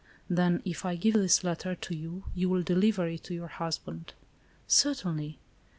"Then, if I give this letter to you, you will deliver it to your husband." " Certainly."